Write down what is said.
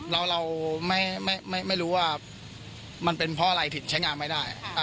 เราไม่รู้ว่ามันเป็นเพราะอะไรถึงใช้งานไม่ได้